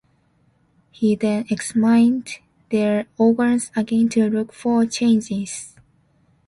He then examined their organs again to look for changes.